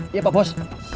iya pak bos